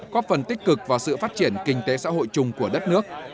có phần tích cực vào sự phát triển kinh tế xã hội chung của đất nước